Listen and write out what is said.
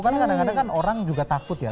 karena kadang kadang kan orang juga takut ya